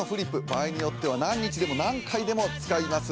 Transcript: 場合によっては何回も何枚も使います。